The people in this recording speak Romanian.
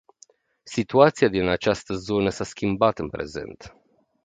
Situația din această zonă s-a schimbat în prezent.